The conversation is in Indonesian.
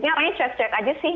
mungkin orangnya cuek cuek aja sih